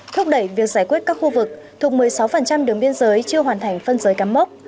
thúc đẩy việc giải quyết các khu vực thuộc một mươi sáu đường biên giới chưa hoàn thành phân giới cắm mốc